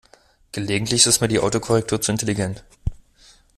Gelegentlich ist mir die Autokorrektur zu intelligent.